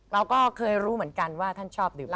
เราก็เคยรู้เหมือนกันว่าท่านชอบดื่มอะไร